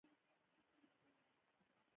د تعلیماتو د قانون له مخي دولت مکلف وګرځول سو.